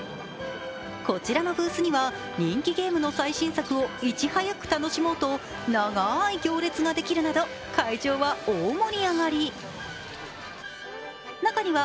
こちらのブースには、人気ゲームの最新作をいち早く楽しもうとながーい行列ができるなど、会場は大盛り上がり。